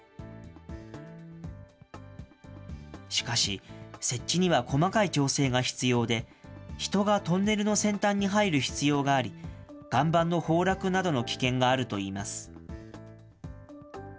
しかし、設置には細かい調整が必要で、人がトンネルの先端に入る必要があり、岩盤の崩落などの危険があるといいます。